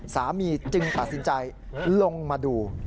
สามีจึงปรัสดินใจลงมาดู